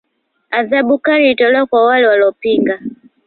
Adhabu kali ilitolewa kwa wale waliopinga